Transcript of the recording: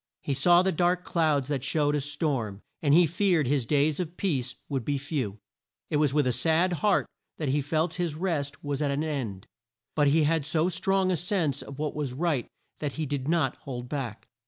He saw the dark clouds that showed a storm, and he feared his days of peace would be few. It was with a sad heart that he felt his rest was at an end, but he had so strong a sense of what was right that he did not hold back.